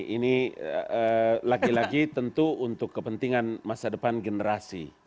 ini lagi lagi tentu untuk kepentingan masa depan generasi